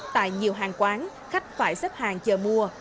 tại nhiều hàng quán khách phải xếp hàng chờ mua